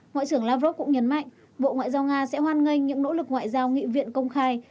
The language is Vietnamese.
ngoại trưởng lavrov cũng nhấn mạnh bộ ngoại giao nga sẽ hoan nghênh những nỗ lực ngoại giao nghị viện công khai